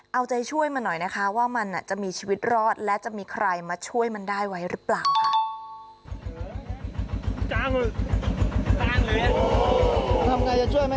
เอาใจช่วยมันหน่อยนะคะว่ามันจะมีชีวิตรอดและจะมีใครมาช่วยมันได้ไว้หรือเปล่าค่ะ